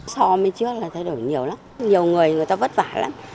so với trước là thay đổi nhiều lắm nhiều người người ta vất vả lắm